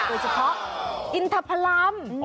โดยเฉพาะอินทรัพย์พระลำ